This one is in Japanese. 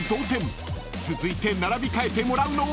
［続いて並び替えてもらうのは］